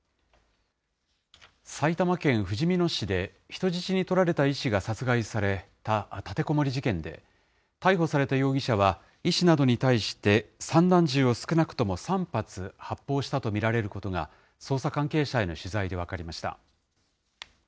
埼玉県ふじみ野市で、人質に取られた医師が殺害された立てこもり事件で、逮捕された容疑者は医師などに対して、散弾銃を少なくとも３発発砲したと見られることが、捜査関係者への取材で分かりました。